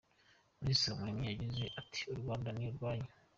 Minisitiri Habumuremyi yagize ati “U Rwanda ni urwanyu.